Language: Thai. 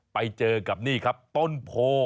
ไปเจอกับนี่ครับต้นโพ